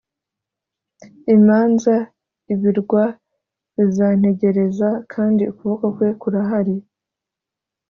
imanza ibirwa bizantegereza kandi ukuboko kwe kurahari